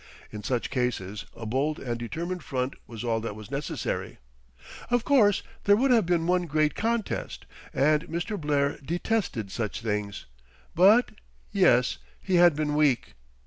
In such cases a bold and determined front was all that was necessary. Of course there would have been one great contest, and Mr. Blair detested such things; but yes, he had been weak.